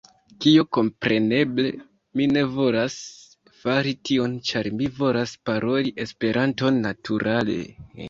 Kaj kompreneble, mi ne volas fari tion ĉar mi volas paroli Esperanton naturale